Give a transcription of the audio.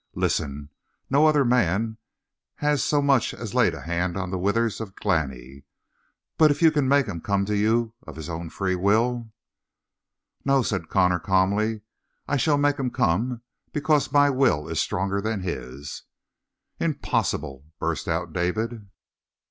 Listen! No other man had so much as laid a hand on the withers of Glani, but if you can make him come to you of his own free will " "No," said Connor calmly. "I shall make him come because my will is stronger than his." "Impossible!" burst out David.